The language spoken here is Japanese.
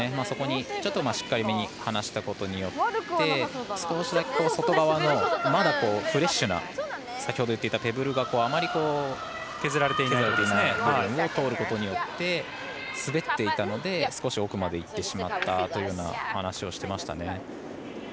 そこに、ちょっとしっかりめに放したことによって少しだけ外側のまだフレッシュな先ほど言っていたペブルがあまり削られていないところを通ることによって滑っていたので、少し奥までいってしまったという話をしていましたね。